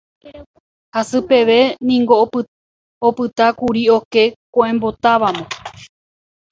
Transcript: Hasy peve niko opytákuri oke ko'ẽmbotávoma.